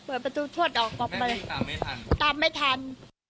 เปิดประตูพวดออกไปตามไม่ทัน